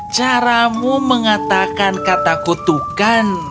caramu mengatakan kata kutukan